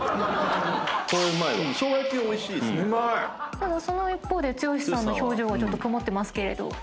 ただその一方で剛さんの表情がちょっと曇ってますけれど。